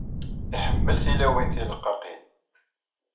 Iḥemmel tilawin tileqqaqin.